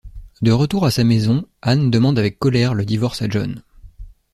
De retour à sa maison, Ann demande avec colère le divorce à John.